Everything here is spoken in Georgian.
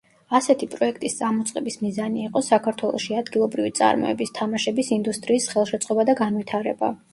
ასეთი პროექტის წამოწყების მიზანი იყო საქართველოში ადგილობრივი წარმოების თამაშების ინდუსტრიის ხელშეწყობა და განვითარება.